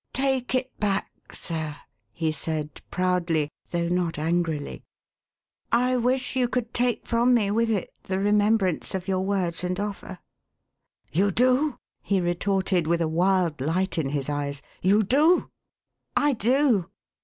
"Take it back, sir," he said proudly, though not angrily. "I wish you could take from me, with it, the remembrance of your words and offer." " You do ?" he retorted, with a wild light in his eyes. "You do?" " I do